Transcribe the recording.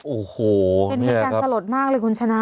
โอ้โหเป็นเหตุการณ์สลดมากเลยคุณชนะ